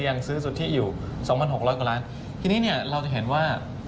ก็ยังซื้อสุธิอยู่๒๖๐๐กว่าลาททีนี้เราจะเห็นว่า